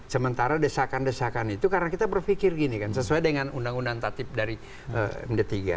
sementara desakan desakan itu karena kita berpikir gini kan sesuai dengan undang undang tatip dari md tiga